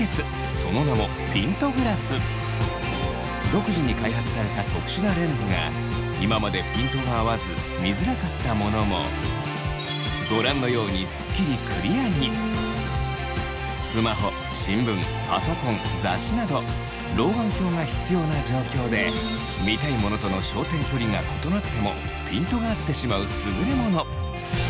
その名も独自に開発された特殊なレンズが今までピントが合わず見づらかったものもご覧のようにすっきりクリアに雑誌など老眼鏡が必要な状況で見たいものとの焦点距離が異なってもピントが合ってしまう優れもの